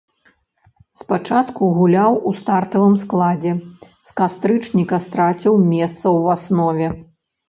Спачатку гуляў у стартавым складзе, з кастрычніка страціў месца ў аснове.